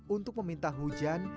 untuk meminta hujan